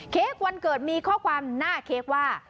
วันเกิดมีข้อความหน้าเค้กว่า